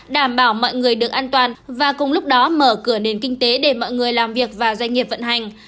đảm bảo mọi người được an toàn và cùng lúc đó mở cửa nền kinh tế để mọi người làm việc và doanh nghiệp vận hành